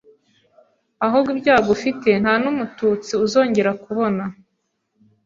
ahubwo ibyago ufite nta n’umututsi uzongera kubona,